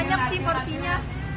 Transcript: soalnya banyak sih porsinya